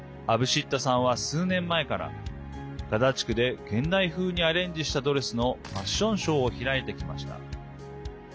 アブシッタさんは数年前からガザ地区で現代風にアレンジしたドレスのファッションショーを開いてきました。